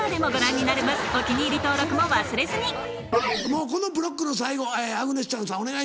もうこのブロックの最後アグネス・チャンさんお願いします。